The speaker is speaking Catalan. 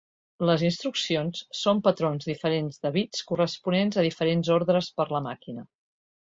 Les instruccions són patrons diferents de bits corresponents a diferents ordres per la màquina.